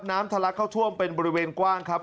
ทะลักเข้าท่วมเป็นบริเวณกว้างครับ